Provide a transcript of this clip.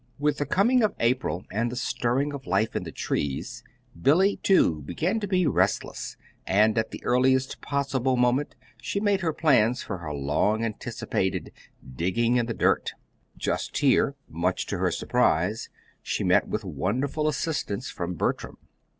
With the coming of April, and the stirring of life in the trees, Billy, too, began to be restless; and at the earliest possible moment she made her plans for her long anticipated "digging in the dirt." Just here, much to her surprise, she met with wonderful assistance from Bertram.